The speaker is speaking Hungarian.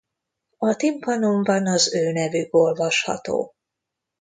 A timpanonban az ő nevük olvasható.